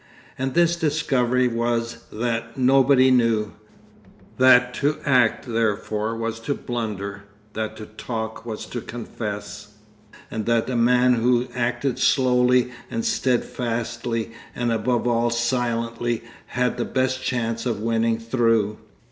And this discovery was that nobody knew, that to act therefore was to blunder, that to talk was to confess; and that the man who acted slowly and steadfastly and above all silently, had the best chance of winning through.